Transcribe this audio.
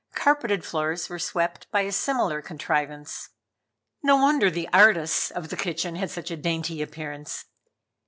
Carpeted floors were swept by a similar contrivance. No wonder the "artists" of the kitchen had such a dainty appearance.